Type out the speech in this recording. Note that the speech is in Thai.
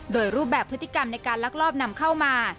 โดยรูปแบบพฤติกรรมในการลักลอบนำเข้ามา